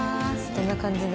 どんな感じで？